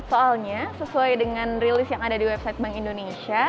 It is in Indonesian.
soalnya sesuai dengan rilis yang ada di website bank indonesia